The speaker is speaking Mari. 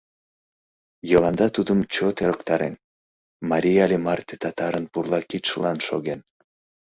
Йыланда тудым чот ӧрыктарен: «Марий але марте татарын пурла кидшылан шоген.